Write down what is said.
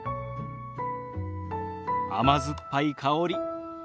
甘酸っぱい香り。